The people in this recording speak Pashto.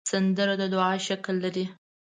سندره د دعا شکل لري